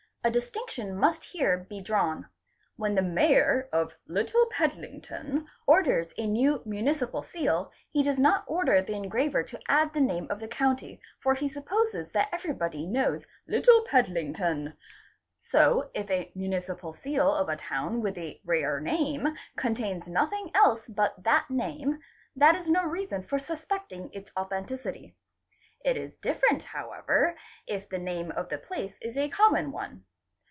A distinction must here be drawn. When the Mayor of Little Pedlington orders a new municipal seal, he does not order the engraver to add the name of the county, for he supposes that everybody knows Little Pedlington. So if a municipal seal of a town with a rare name contains nothing else but that name, that is no reason for suspecting its authenticity. It is different however if the name of the place is acommon one.